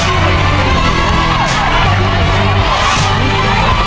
ครอบครัวของแม่ปุ้ยจังหวัดสะแก้วนะครับ